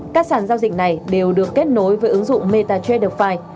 các sàn giao dịch này đều được kết nối với ứng dụng metatraderpi